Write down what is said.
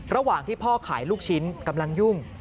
ระหว่างที่พ่อขายลูกชิ้นกำลังยุ่ง